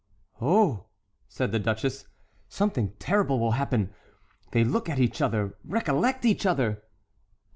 "Oh," said the duchess, "something terrible will happen! they look at each other—recollect each other!"